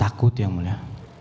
takut yang mulia